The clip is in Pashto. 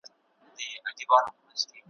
په هغه ګړي قیامت وو ما لیدلی `